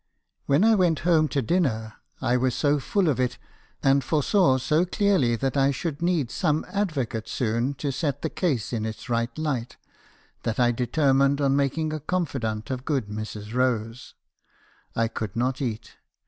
When I went home to dinner 1 was so full of it, and foresaw so clearly that I should need some advocate soon to set 298 me. hakrison's confessions. the case in its right light , that I determined on making a confi dante of good Mrs. Rose. I could not eat.